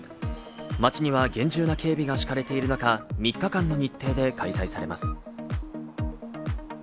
街には厳重な警備が敷かれている中、３日間の日程で開催されます。